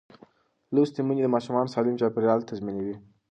لوستې میندې د ماشوم سالم چاپېریال تضمینوي.